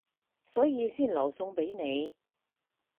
所以先留餸畀你